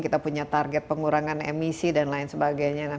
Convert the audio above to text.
kita punya target pengurangan emisi dan lain sebagainya